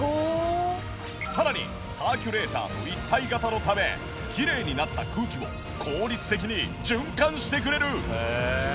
さらにサーキュレーターと一体型のためきれいになった空気を効率的に循環してくれる。